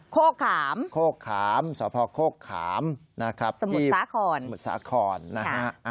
โค้กขามโค้กขามสพโค้กขามนะครับสมุทรสาขรสมุทรสาขรนะฮะ